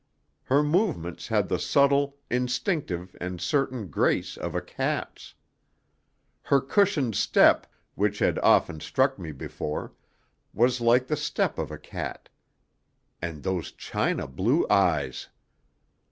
Her movements had the subtle, instinctive and certain grace of a cat's. Her cushioned step, which had often struck me before, was like the step of a cat. And those china blue eyes!